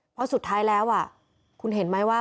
เพราะสุดท้ายแล้วคุณเห็นไหมว่า